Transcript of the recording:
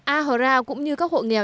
a hờ ra cũng như các hộ nghèo